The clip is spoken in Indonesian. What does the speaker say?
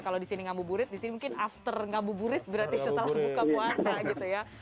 kalau di sini ngabuburit disini mungkin after ngabuburit berarti setelah buka puasa gitu ya